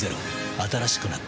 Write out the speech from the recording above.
新しくなった